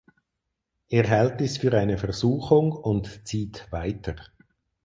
Er hält dies für eine Versuchung und zieht weiter.